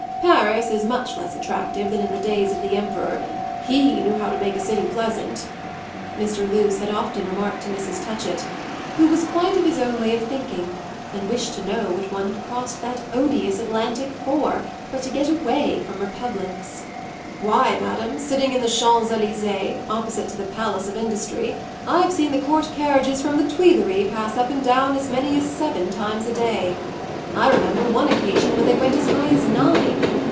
"Paris is much less attractive than in the days of the Emperor; he knew how to make a city pleasant," Mr. Luce had often remarked to Mrs. Touchett, who was quite of his own way of thinking and wished to know what one had crossed that odious Atlantic for but to get away from republics. "Why, madam, sitting in the Champs Elysées, opposite to the Palace of Industry, I've seen the court carriages from the Tuileries pass up and down as many as seven times a day. I remember one occasion when they went as high as nine.